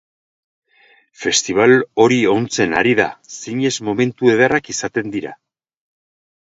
Festibal hori ontzen ari da, zinez momentu ederrak izaten dira.